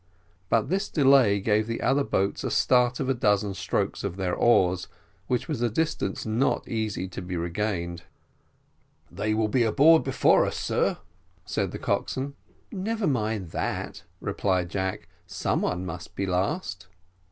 But this delay gave the other boats a start of a dozen strokes of their oars, which was a distance not easy to be regained. "They will be aboard before us, sir," said the coxswain. "Never mind that," replied Jack; "some one must be last."